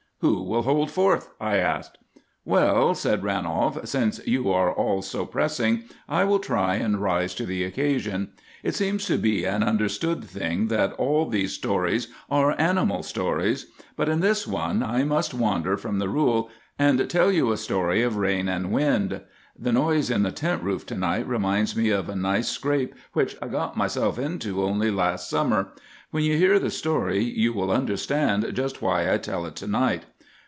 "Who will hold forth?" I asked. "Well," said Ranolf, "since you are all so pressing, I will try and rise to the occasion. It seems to be an understood thing that all these stories are animal stories; but in this one I must wander from the rule, and tell you a story of rain and wind. The noise on the tent roof to night reminds me of a nice scrape which I got myself into only last summer. When you hear the story you will understand just why I tell it to night.